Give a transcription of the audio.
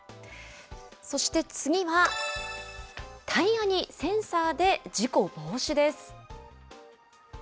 そして次は、タイヤにセンサーで事故防止です。